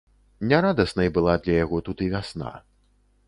Нярадаснай была для яго тут і вясна.